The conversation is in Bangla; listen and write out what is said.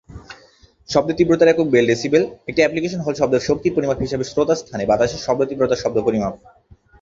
শব্দের তীব্রতার একক বেল/ডেসিবেল। একটি অ্যাপ্লিকেশন হ'ল শব্দের শক্তির পরিমাণ হিসাবে শ্রোতার স্থানে বাতাসে শব্দ তীব্রতার শব্দ পরিমাপ।